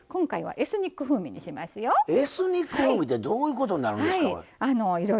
エスニック風味ってどういうことになるんですか？